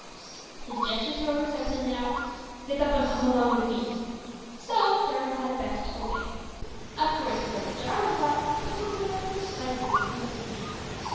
His gestures, however, said plainly enough, "Get up and come along with me," so Jarwin thought it best to obey. Of course whatever Jarwin thought, Cuffy was of precisely the same opinion.